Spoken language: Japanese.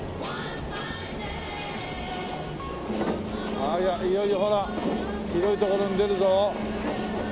ああいよいよほら広い所に出るぞ。